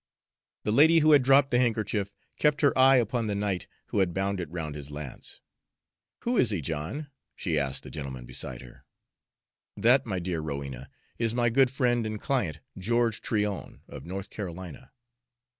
The lady who had dropped the handkerchief kept her eye upon the knight who had bound it round his lance. "Who is he, John?" she asked the gentleman beside her. "That, my dear Rowena, is my good friend and client, George Tryon, of North Carolina.